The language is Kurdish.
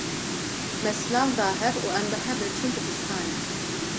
Me silav da hev û em bi hev re çûn dibistanê.